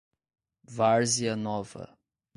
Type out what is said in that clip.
Várzea Nova